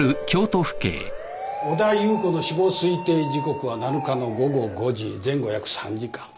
小田夕子の死亡推定時刻は７日の午後５時前後約３時間。